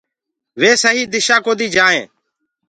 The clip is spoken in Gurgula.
وي سهيٚ دِشآ ڪوديٚ جآئين۔